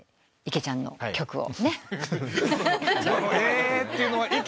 池ちゃんの楽曲を。